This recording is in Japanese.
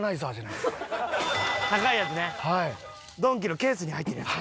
ドンキのケースに入ってるやつ。